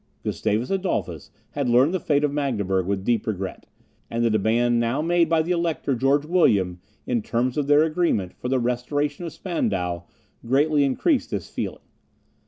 Gustavus Adolphus had learned the fall of Magdeburg with deep regret; and the demand now made by the Elector, George William, in terms of their agreement, for the restoration of Spandau, greatly increased this feeling.